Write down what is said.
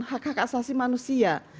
hak hak asasi manusia